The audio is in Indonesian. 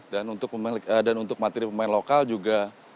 dan untuk materi pemain lokal juga